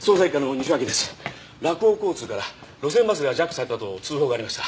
洛央交通から路線バスがジャックされたと通報がありました。